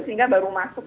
sehingga baru masuk